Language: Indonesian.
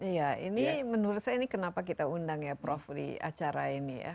iya ini menurut saya ini kenapa kita undang ya prof di acara ini ya